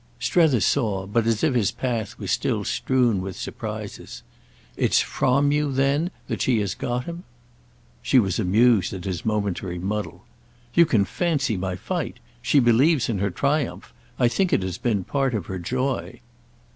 Strether saw, but as if his path was still strewn with surprises. "It's 'from' you then that she has got him?" She was amused at his momentary muddle. "You can fancy my fight! She believes in her triumph. I think it has been part of her joy.